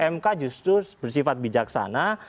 mk justru bersifat bijaksana